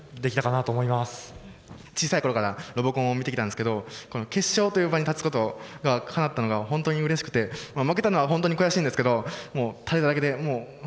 小さいころからロボコンを見てきたんですけどこの決勝という場に立つことがかなったのが本当にうれしくて負けたのはホントに悔しいんですけどもう立てただけでうれしいです。